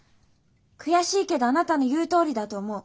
悔しいけどあなたの言うとおりだと思う。